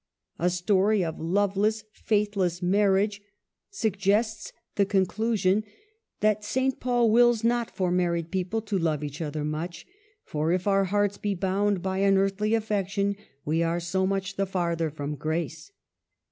A story of loveless, faithless marriage suggests the con clusion that " Saint Paul wills not for married peo ple to love each other much ; for if our hearts be bound by an earthly affection, we are so much the farther from grace."